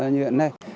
như hiện nay